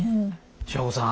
祥子さん